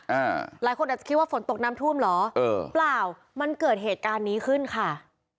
หลายคนอาจจะคิดว่าฝนตกน้ำท่วมเหรอเออเปล่ามันเกิดเหตุการณ์นี้ขึ้นค่ะ